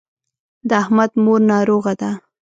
د احمد مور ناروغه ده.